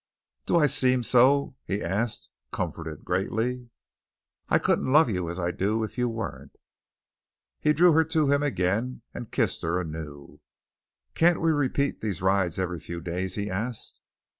"Do I seem so?" he asked, comforted greatly. "I couldn't love you as I do if you weren't." He drew her to him again and kissed her anew. "Can't we repeat these rides every few days?" he asked.